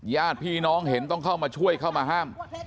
ญาติพี่น้องเห็นต้องเข้ามาช่วยเข้ามาห้าม